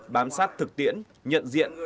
bám sát thực tiễn nhận diện